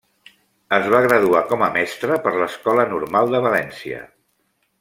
Es va graduar com a mestre per l'Escola Normal de València.